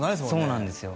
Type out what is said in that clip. そうなんですよ